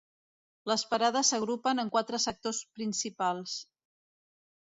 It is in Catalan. Les parades s'agrupen en quatre sectors principals.